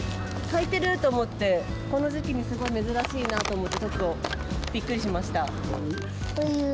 咲いてると思って、この時期にすごい珍しいなと思って、ちょっとびっくりしました。